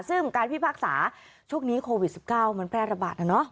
ซึ่งการพิพากษาช่วงนี้โควิด๑๙มันแพร่ระบาดนะเนาะ